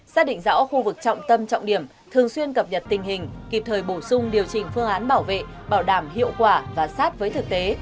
xác định rõ khu vực trọng tâm trọng điểm thường xuyên cập nhật tình hình kịp thời bổ sung điều chỉnh phương án bảo vệ bảo đảm hiệu quả và sát với thực tế